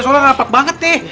soalnya rapat banget deh